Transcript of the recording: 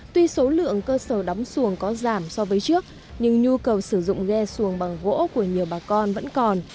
tuy số lượng cơ sở đóng xuồng có giảm so với trước nhưng nhu cầu sử dụng ghe xuồng bằng gỗ của nhiều bà con vẫn còn